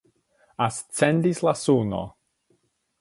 Ascendis la suno.